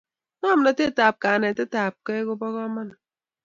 ngomnatet ap kanetet apkei kopo kamanut